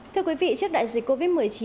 thưa quý vị trước đại dịch covid một mươi chín